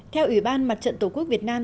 theo ủy ban mặt trận tổ quốc việt nam